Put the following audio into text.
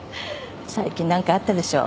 最近何かあったでしょ？